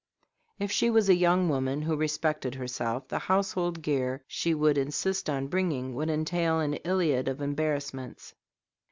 If she was a young woman who respected herself, the household gear she would insist on bringing would entail an Iliad of embarrassments.